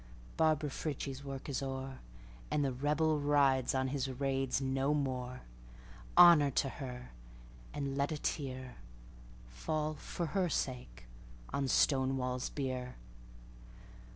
Barbara Frietchie's work is o'er, And the Rebel rides on his raids no more. Honor to her! and let a tearFall, for her sake, on Stonewall's bier.